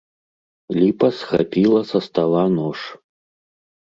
Ліпа схапіла са стала нож.